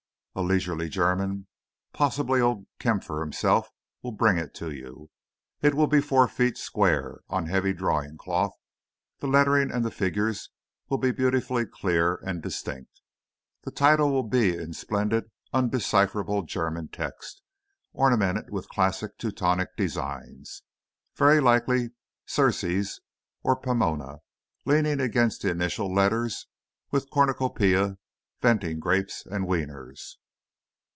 A leisurely German—possibly old Kampfer himself—will bring it to you. It will be four feet square, on heavy drawing cloth. The lettering and the figures will be beautifully clear and distinct. The title will be in splendid, undecipherable German text, ornamented with classic Teutonic designs—very likely Ceres or Pomona leaning against the initial letters with cornucopias venting grapes and wieners.